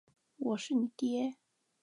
我是你爹！